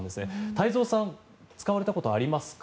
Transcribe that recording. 太蔵さん使われたことありますか？